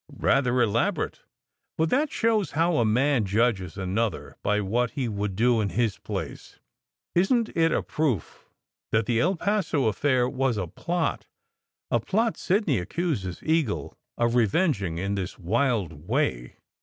Rather elaborate! But that shows how a man judges another by what he would do in his place ! Isn t it a proof that the El Paso affair was a plot a plot Sidney accuses Eagle of revenging in this wild way?"